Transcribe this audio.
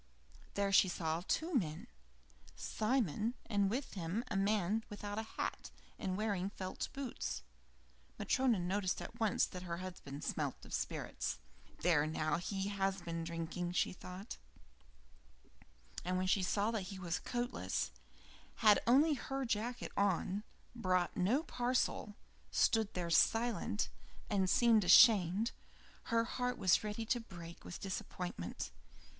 There she saw two men: Simon, and with him a man without a hat, and wearing felt boots. Matryona noticed at once that her husband smelt of spirits. "There now, he has been drinking," thought she. And when she saw that he was coatless, had only her jacket on, brought no parcel, stood there silent, and seemed ashamed, her heart was ready to break with disappointment.